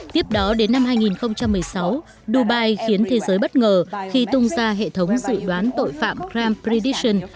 tiếp đó đến năm hai nghìn một mươi sáu dubai khiến thế giới bất ngờ khi tung ra hệ thống dự đoán tội phạm grampredition